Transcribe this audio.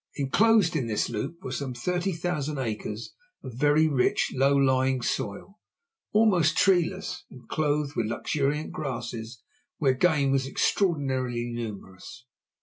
Enclosed in this loop were some thirty thousand acres of very rich, low lying soil, almost treeless and clothed with luxuriant grasses where game was extraordinarily numerous.